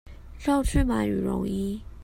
繞去買羽絨衣